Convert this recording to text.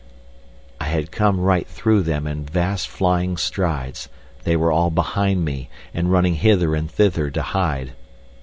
I had come right through them in vast flying strides, they were all behind me, and running hither and thither to hide.